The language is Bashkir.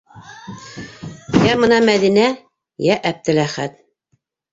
Йә мына Мәҙинә, йә Әптеләхәт...